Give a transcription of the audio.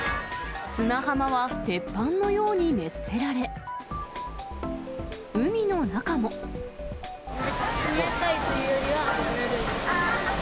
砂浜は鉄板のように熱せられ、冷たいというよりはぬるい。